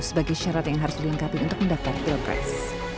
sebagai syarat yang harus dilengkapi untuk mendaftar ke kepres